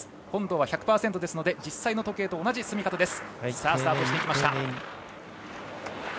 本堂は１００％ですので実際の時計と同じ進み方です。